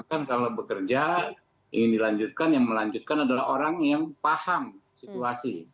karena kalau bekerja ingin dilanjutkan yang melanjutkan adalah orang yang paham situasi